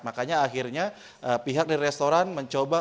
makanya akhirnya pihak dari restoran mencoba